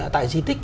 tại di tích